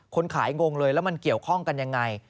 คนขายงงเลยแล้วมันเกี่ยวข้องกันยังไง